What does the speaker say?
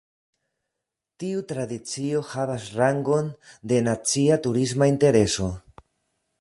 Tiu tradicio havas rangon de nacia turisma intereso.